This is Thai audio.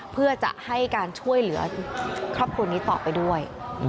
เพื่อจะให้การช่วยเหลือครอบครัวนี้ต่อไปด้วย